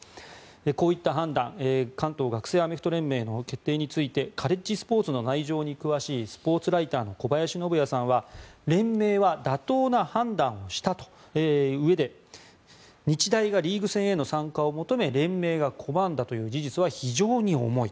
こういった判断関東学生アメリカンフットボール連盟の決定についてカレッジスポーツの内情に詳しいスポーツライターの小林信也さんは連盟は妥当な判断をしたとしたうえで日大がリーグ戦への参加を求め連盟が拒んだという事実は非常に重い。